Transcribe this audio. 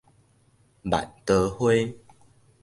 蔓桃花